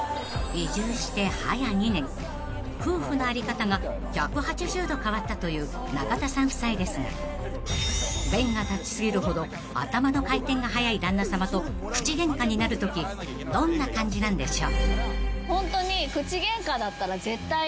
［夫婦の在り方が１８０度変わったという中田さん夫妻ですが弁が立ち過ぎるほど頭の回転が速い旦那さまと口ゲンカになるときどんな感じなんでしょう］